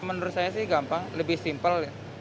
menurut saya sih gampang lebih simpel